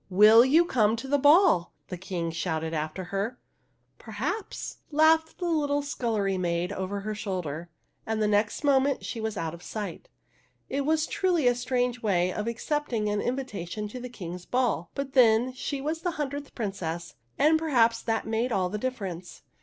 ''Will you come to the ball?" the King shouted after her. '' Perhaps !" laughed the little scullery maid over her shoulder, and the next moment she was out of sight. It was truly a strange way of accepting an invitation to the King's ball ; but then, she was the hundredth Princess, and perhaps that made all the difference.